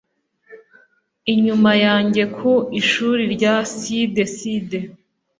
inyuma yanjye ku ishuri rya side side